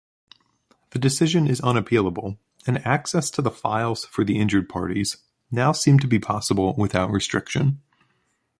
The decision is unappealable and access to the files for the injured parties now seemed to be possible without restriction.